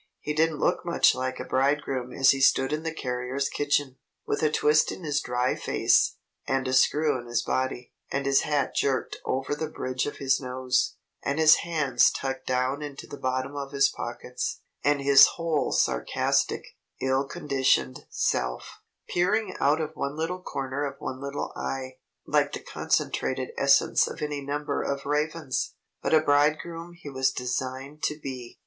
He didn't look much like a bridegroom as he stood in the carrier's kitchen, with a twist in his dry face, and a screw in his body, and his hat jerked over the bridge of his nose, and his hands tucked down into the bottom of his pockets, and his whole sarcastic, ill conditioned, self peering out of one little corner of one little eye, like the concentrated essence of any number of ravens. But a bridegroom he was designed to be.